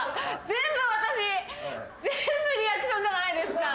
全部リアクションじゃないですか。